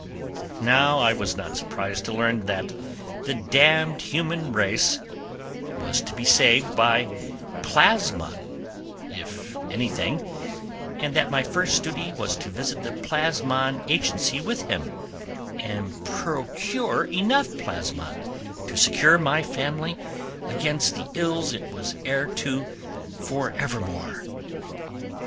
Now, I was not surprised to learn that "the damned human race" was to be saved by plasmon, if anything, and that my first duty was to visit the plasmon agency with him, and procure enough plasmon to secure my family against the ills it was heir to for evermore.